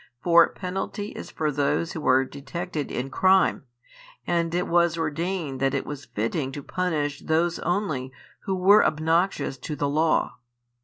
For penalty is for those who are detected in crime, and it was ordained that it was fitting to punish those only who were obnoxious to the law.